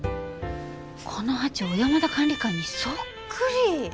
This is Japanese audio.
このハチ小山田管理官にそっくり！